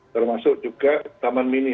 termasuk juga taman mini